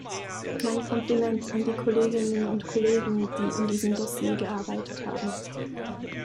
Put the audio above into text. Mein Kompliment an die Kolleginnen und Kollegen, die an diesem Dossier gearbeitet haben.